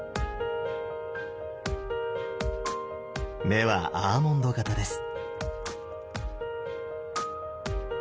目はアーモンド形です。